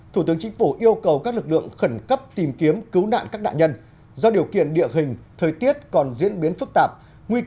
thủ tướng chính phủ yêu cầu các lực lượng khẩn cấp tìm kiếm cứu nạn các nạn nhân